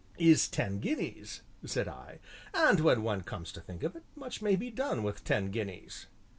"Is ten guineas," said I, "and when one comes to think of it, much may be done with ten guineas."